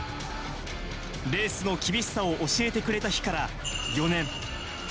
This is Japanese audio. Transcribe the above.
レースの厳しさを教えてくれた日から４年。